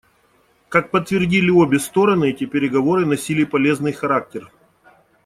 Как подтвердили обе стороны, эти переговоры носили полезный характер.